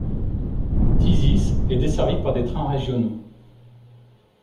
Tisis est desservie par des trains régionaux.